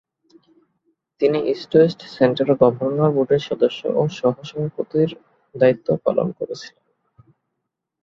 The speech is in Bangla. তিনি ইস্ট-ওয়েস্ট সেন্টারের গভর্নর বোর্ডের সদস্য ও সহ-সভাপতির দায়িত্বও পালন করেছিলেন।